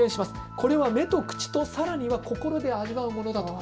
これは目と口とさらには心で味わうものだと。